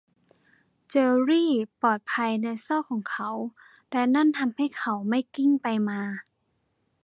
เจอร์รี่ปลอดภัยในซอกของเขา และนั้นทำให้เขาไม่กลิ้งไปมา